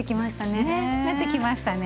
ねなってきましたね。